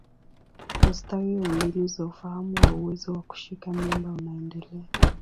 Ustawi wa mbinu za ufahamu wa uwezo wa kushika mimba unaendelea.